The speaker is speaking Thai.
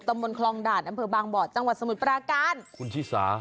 ตำนวนคลองด่านดำเผิดบางบอร์ดจังหวัดสมุทรปราการคุณชี่สา